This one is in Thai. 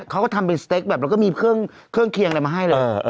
เขาก็ทำเป็นสเต็กแบบแล้วก็มีเครื่องเคียงอะไรมาให้เลย